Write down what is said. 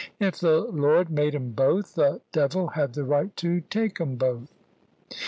If the Lord made 'em both, the devil had the right to take 'em both."